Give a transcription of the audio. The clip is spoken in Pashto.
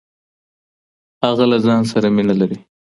هغه له ځان سره مينه لري.